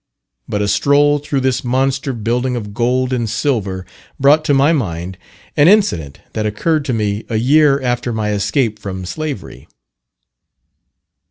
But a stroll through this monster building of gold and silver brought to my mind an incident that occurred to me a year after my escape from slavery.